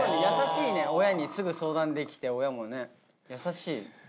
優しいね親にすぐ相談できて親もね優しい。